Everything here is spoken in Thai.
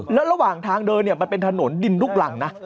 แล้วระหว่างทางเดินเนี่ยมันเป็นถนนดินลูกหลังนะ